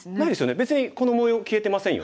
別にこの模様消えてませんよね。